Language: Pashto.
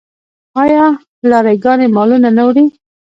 آیا لاری ګانې مالونه نه وړي؟